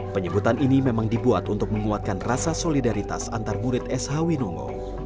penyebutan ini memang dibuat untuk menguatkan rasa solidaritas antar murid sh winongo